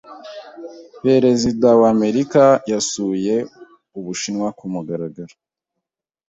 Perezida wa Amerika yasuye Ubushinwa ku mugaragaro.